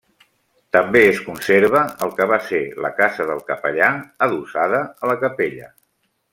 També es conserva el que va ser la casa del capellà, adossada a la capella.